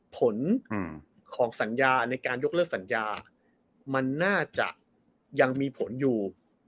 ผลของสัญญาในการยกเลิกสัญญามันน่าจะยังมีผลอยู่